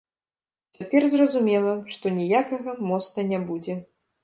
Цяпер зразумела, што ніякага моста не будзе.